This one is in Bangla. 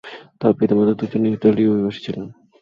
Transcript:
তার পিতামাতা দুজনেই ইতালীয় অভিবাসী ছিলেন।